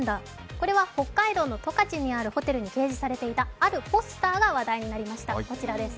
これは北海道の十勝にあるホテルに掲示されていたあるポスターが話題になりました。